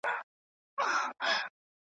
طبیب وکتل چي ښځه نابینا ده ,